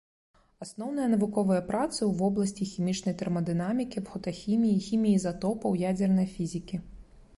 Асноўныя навуковыя працы ў вобласці хімічнай тэрмадынамікі, фотахіміі, хіміі ізатопаў, ядзернай фізікі.